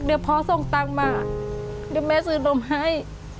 เดี๋ยวพ่อส่งตังค์มาเดี๋ยวแม่ซื้อนมให้